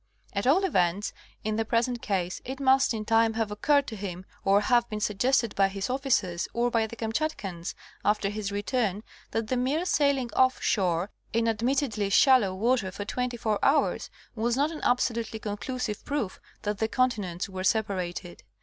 At all events in the present case it must in time have occurred to him, or have been suggested by his officers or by the Kam chatkans after his return that the mere sailing off shore in admit tedly shallow water for twenty four hours, was not an absolutely conclusive proof that the continents were separated.